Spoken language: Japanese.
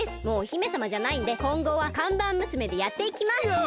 もうお姫さまじゃないんでこんごは看板娘でやっていきます！